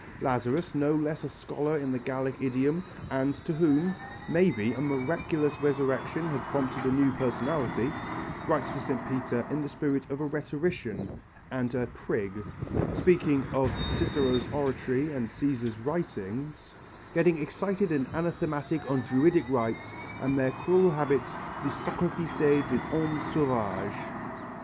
Lazarus, no less a scholar in the Gallic idiom, and to whom, maybe, a miraculous resurrection had prompted a new personality, writes to St. Peter in the spirit of a rhetorician and a prig, speaking of Cicero's oratory and Cæsar's writings, getting excited and anathematic on Druidic rites and their cruel habit de sacrifier des hommes saulœvaiges.